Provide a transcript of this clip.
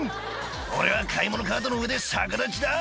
「俺は買い物カートの上で逆立ちだ」